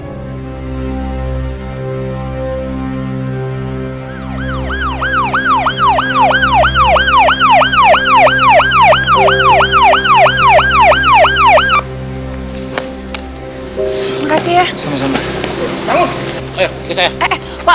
nanti bisa jelaskan ikan co lem pak